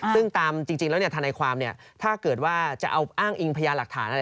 ซึ่งตามทานายความเนี่ยถ้าเกิดว่าจะเอางอิงพญานหลักฐานอะไร